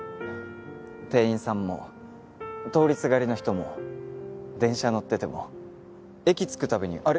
店員さんも通りすがりの人も電車乗ってても駅着く度にあれ？